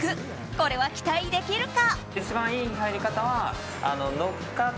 これは期待できるか？